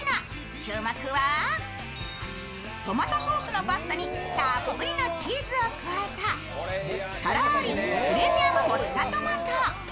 注目はトマトソースのパスタにたっぷりのチーズを加えたとろりプレミアムモッツァトマト。